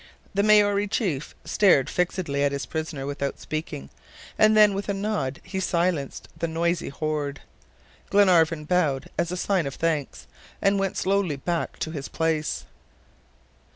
The Maori chief stared fixedly at his prisoner without speaking; and then, with a nod, he silenced the noisy horde. Glenarvan bowed, as a sign of thanks, and went slowly back to his place.